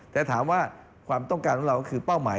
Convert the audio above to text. แต่ถามว่าความต้องการของเราก็คือเป้าหมาย